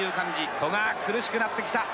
古賀、苦しくなってきた。